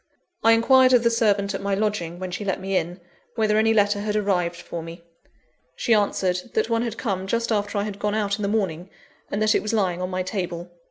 I inquired of the servant at my lodging, when she let me in, whether any letter had arrived for me. She answered, that one had come just after I had gone out in the morning, and that it was lying on my table.